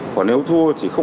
còn nếu thua thì không